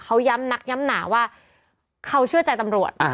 เขาย้ำนักย้ำหนาว่าเขาเชื่อใจตำรวจ